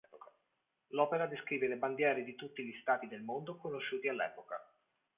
L'opera descrive le bandiere di tutti gli Stati del mondo conosciuti all'epoca.